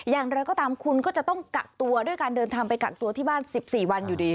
อย่างไรก็ตามคุณก็จะต้องกักตัวด้วยการเดินทางไปกักตัวที่บ้าน๑๔วันอยู่ดี